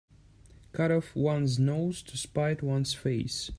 Cut off one's nose to spite one's face.